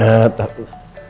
ya udah gak apa apa